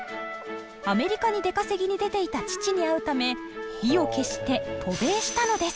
アメリカに出稼ぎに出ていた父に会うため意を決して渡米したのです。